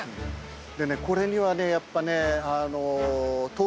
でねこれにはねやっぱ。